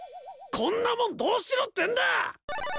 こんなもんどうしろってんだ！